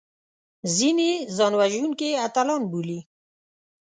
ځینې ځانوژونکي اتلان بولي